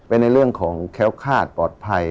เป็นในเรื่องของแค้วคาดปลอดภัย